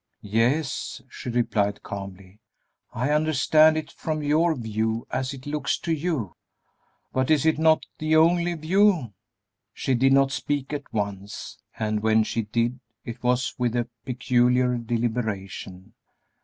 "Yes," she replied, calmly; "I understand it from your view, as it looks to you." "But is not that the only view?" She did not speak at once, and when she did it was with a peculiar deliberation.